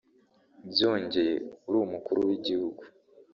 byongeye uri umukuru w’igihugu